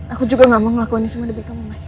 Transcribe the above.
aku juga gak mau ngelakuin ini semua demi kamu mas